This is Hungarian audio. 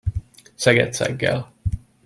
Szeget szeggel.